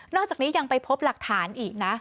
อกจากนี้ยังไปพบหลักฐานอีกนะ